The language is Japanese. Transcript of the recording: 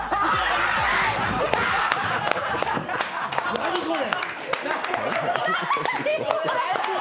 何これ！？